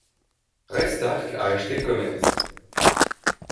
Ray Stark a acheté le commerce.